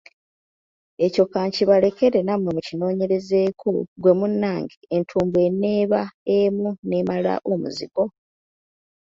Ekyo ka nkibalekere nammwe mukinoonyerezeeko, ggwe munnange entumbwe eneeba emu n'emala omuzigo!